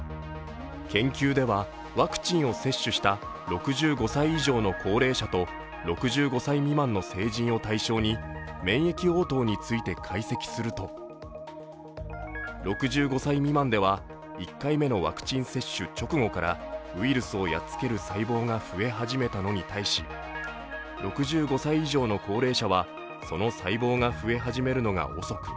研究ではワクチンを接種した６５歳以上の高齢者と６５歳未満の成人を対象に免疫応答について解析すると６５歳未満では１回目のワクチン接種直後からウイルスをやっつける細胞が増え始めたのに対し、６５歳以上の高齢者はその細胞が増え始めるのが遅く